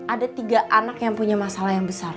ada tiga anak yang punya masalah yang besar